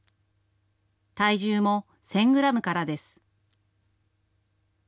体重も１０００グラムからです。